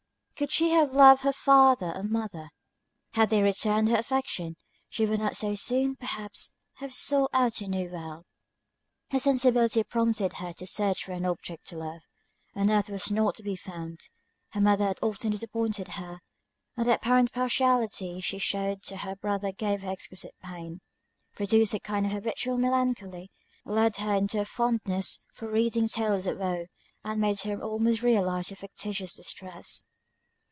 Could she have loved her father or mother, had they returned her affection, she would not so soon, perhaps, have sought out a new world. Her sensibility prompted her to search for an object to love; on earth it was not to be found: her mother had often disappointed her, and the apparent partiality she shewed to her brother gave her exquisite pain produced a kind of habitual melancholy, led her into a fondness for reading tales of woe, and made her almost realize the fictitious distress.